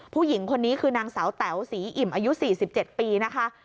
ผู้หญิงคนนี้คือนางสาวแต๋วศรีอิ่มอายุ๔๗ปีนะคะ